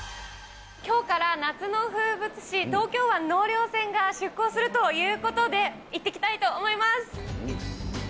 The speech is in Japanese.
きょうから夏の風物詩、東京湾納涼船が出航するということで、行ってきたいと思います。